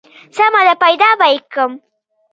سمه ده پيدا به يې کم.